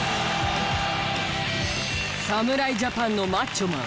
侍ジャパンのマッチョマン